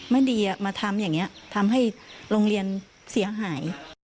ไม่ดีมาทำอย่างนี้ทำให้โรงเรียนเสียหาย